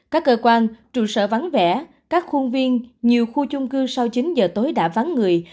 các cơ quan trụ sở vắng vẻ các khuôn viên nhiều khu chung cư sau chín giờ tối đã vắng người